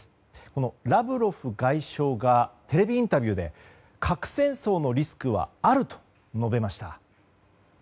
このラブロフ外相がテレビインタビューで核戦争のリスクはあると述べました。